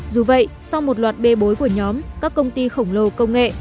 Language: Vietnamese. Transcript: dù vậy sau một loạt bê bối của nhóm các công ty khổng lồ công nghệ